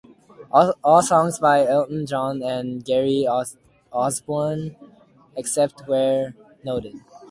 All songs by Elton John and Gary Osborne, except where noted.